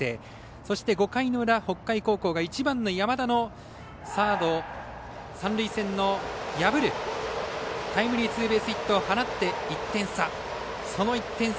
そして、５回の裏北海高校が１番の山田の三塁線を破るタイムリーツーベースヒットを放って１点差。